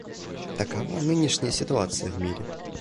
Такова нынешняя ситуация в мире.